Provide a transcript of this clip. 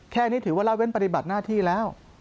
แค่นี้ถือว่าละเว้นปฏิบัติหน้าที่แล้ว